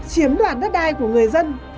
chiếm đoàn đất đai của người dân